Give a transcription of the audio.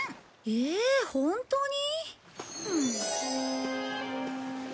ええホントに？